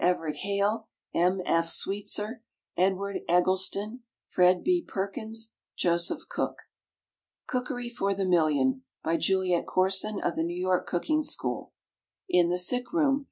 EVERETT HALE, M. F. SWEETSER, EDWARD EGGLESTON, FRED. B. PERKINS, JOSEPH COOK. COOKERY FOR THE MILLION. By JULIET CORSON, of the N. Y. Cooking School. IN THE SICK ROOM.